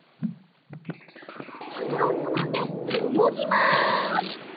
はなをつまんでおよぎます。